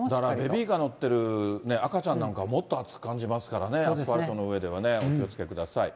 ベビーカー乗ってる赤ちゃんなんかは、もっと暑く感じますからね、アスファルトの上ではね、お気をつけください。